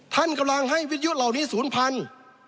ท่านกำลังให้วิทยุเหล่านี้ศูนย์พันธุ์